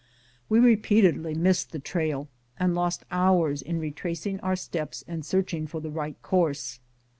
We repeatedly missed the trail, and lost hours in retracing our steps and searching for the right course.